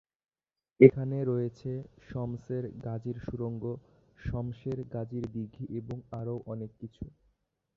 এখানে রয়েছে শমসের গাজীর সুড়ঙ্গ, শমসের গাজীর দীঘি এবং আরও অনেক কিছু।